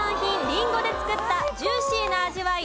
りんごで作ったジューシーな味わい。